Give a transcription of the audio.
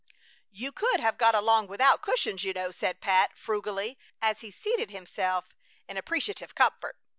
"You could have got along without cushions, you know," said Pat, frugally, as he seated himself in appreciative comfort.